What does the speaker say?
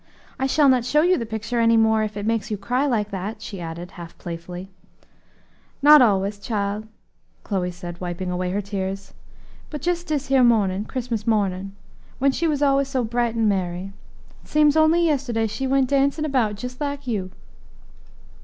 I shall not show you the picture any more if it makes you cry like that," she added half playfully. "Not always, chile," Chloe said, wiping away her tears, "but jes dis here mornin' Christmas mornin', when she was always so bright and merry. It seems only yesterday she went dancin' about jes like you."